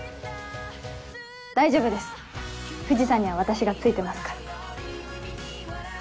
大丈夫です藤さんには私がついてますから。